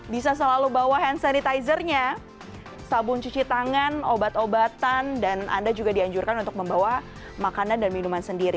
bisa selalu bawa hand sanitizernya sabun cuci tangan obat obatan dan anda juga dianjurkan untuk membawa makanan dan minuman sendiri